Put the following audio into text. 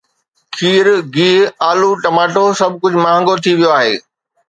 کير، گيهه، الو، ٽماٽو، سڀ ڪجهه مهانگو ٿي ويو آهي